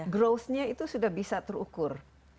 growth nya itu sudah bisa terukur